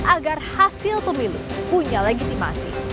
agar hasil pemilu punya legitimasi